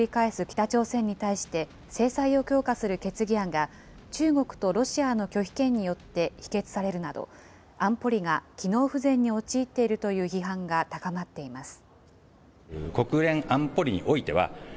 北朝鮮に対して、制裁を強化する決議案が、中国とロシアの拒否権によって否決されるなど、安保理が機能不全に陥っているという批判が高まっています。